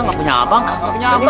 kirim kerjaan yuk